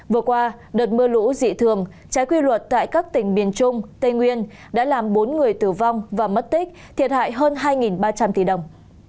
vừa qua đợt mưa lũ dị thường trái quy luật tại các tỉnh miền trung tây nguyên đã làm bốn người tử vong và mất tích thiệt hại hơn hai ba trăm linh tỷ đồng